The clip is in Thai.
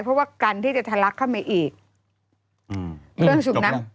เพราะว่ากันที่จะทะลักเข้ามาอีกอืมเครื่องสูบน้ำ